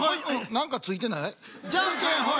何かついてない？